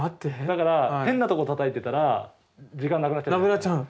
だから変なとこたたいてたら時間なくなっちゃう。